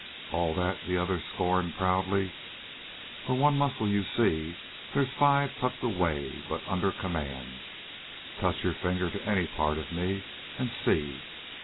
"All that!" the other scorned proudly. "For one muscle you see, there's five tucked away but under command. Touch your finger to any part of me and see."